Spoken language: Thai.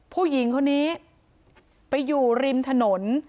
ผู้หญิงคนนี้ไปอยู่ริมถนน